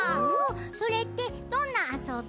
それってどんなあそび？